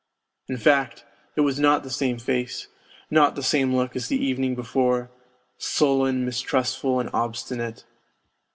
In fact, it was not the same face, not the same look as the evening before : sullen, mistrustful and obstinate.